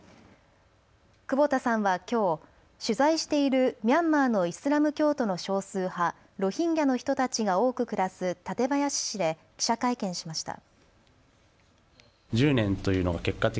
久保田さんはきょう取材しているミャンマーのイスラム教徒の少数派、ロヒンギャの人たちが多く暮らす館林市で記者会見しました。